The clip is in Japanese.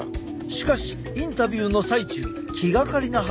しかしインタビューの最中気がかりな話を聞いた。